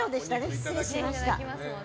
失礼しました。